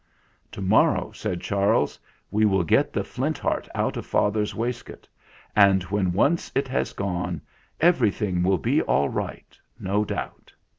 "To morrow," said Charles, "we will get the Flint Heart out of father's waistcoat, and when once it has gone, everything will be all right, no doubt."